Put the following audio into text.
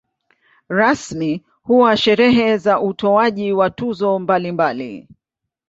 Rasmi huwa sherehe za utoaji wa tuzo mbalimbali.